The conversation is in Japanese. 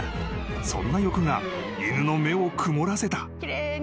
そんな欲が犬の目を曇らせた］